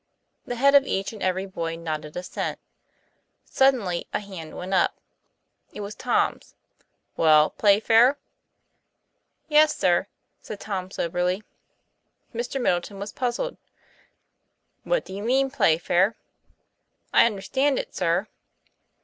The head of each and every boy nodded assent. Suddenly a hand went up. It was Tom's. "Well, Playfair?" "Yes, sir," said Tom soberly. Mr. Middleton was puzzled. "What do you mean, Playfair?" "I understand it, sir."